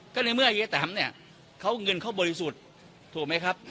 ก็ในเมื่อเย้แตมเนี่ยเขาเงินเขาบริสุทธิ์ถูกไหมครับ